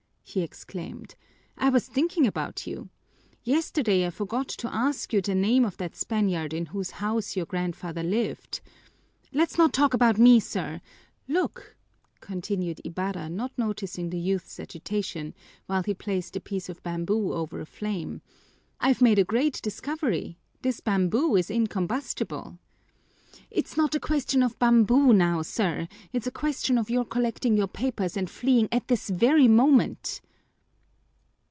he exclaimed. "I was thinking about you. Yesterday I forgot to ask you the name of that Spaniard in whose house your grandfather lived." "Let's not talk about me, sir " "Look," continued Ibarra, not noticing the youth's agitation, while he placed a piece of bamboo over a flame, "I've made a great discovery. This bamboo is incombustible." "It's not a question of bamboo now, sir, it's a question of your collecting your papers and fleeing at this very moment."